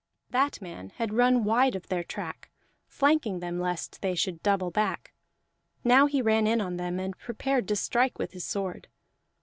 That man had run wide of their track, flanking them lest they should double back; now he ran in on them and prepared to strike with his sword.